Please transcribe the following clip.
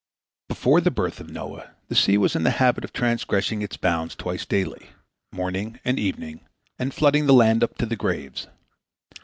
Before the birth of Noah, the sea was in the habit of transgressing its bounds twice daily, morning and evening, and flooding the land up to the graves.